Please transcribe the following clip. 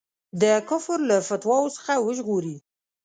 د کفر له فتواوو څخه وژغوري.